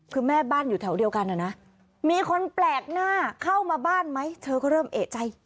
คือแม่บ้านอยู่แถวเดียวกันนะมีคนแปลกหน้าเข้ามาบ้านไหมเธอก็เริ่มเอกใจ